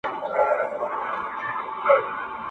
ښکنځل، بد و رد او جم سوداوي شروع دي